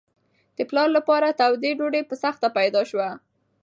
د پلار لپاره توده ډوډۍ په سختۍ پیدا شوه.